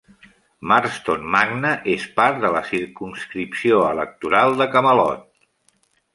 Marston Magna és part de la circumscripció electoral de Camelot.